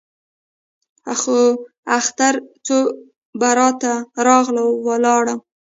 څو اختره څو براته راغله ولاړه